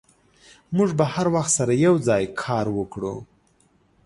موږ به هر وخت سره یوځای کار وکړو.